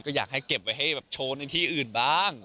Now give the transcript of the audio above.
ก็อยากให้เก็บไว้ให้แบบโชว์ในที่อื่นบ้าง